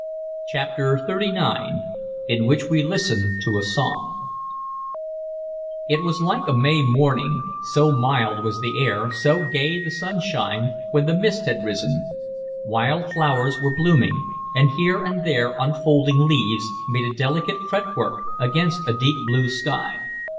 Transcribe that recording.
CHAPTER XXXIX IN WHICH WE LISTEN TO A SONG IT was like a May morning, so mild was the air, so gay the sunshine, when the mist had risen. Wild flowers were blooming, and here and there unfolding leaves made a delicate fretwork against a deep blue sky.